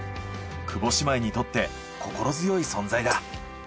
久保姉妹にとって心強い存在だ。